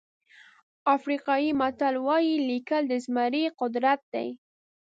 افریقایي متل وایي لیکل د زمري قدرت دی.